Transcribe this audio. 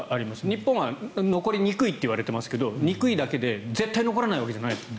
日本は残りにくいといわれていますがにくいだけで絶対残らないわけじゃない。